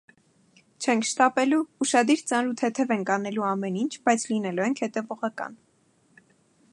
Չենք շտապելու, ուշադիր ծանրութեթև ենք անելու ամեն ինչ, բայց լինելու ենք հետևողական: